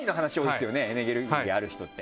エネルギーある人って。